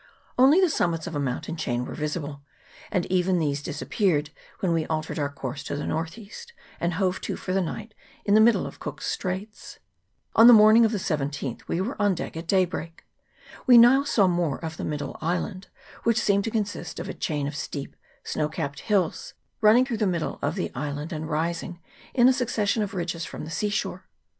Only the summits of a mountain chain were visible, and even these disappeared when we altered our course to the north east, and hove to for the night in the middle of Cook's Straits. On the morning of the 17th we were on deck at daybreak. We now saw more of the middle island, which seemed to consist of a chain of steep snow capped hills, running through the middle of the island, and rising in a succession of ridges from the sea shore.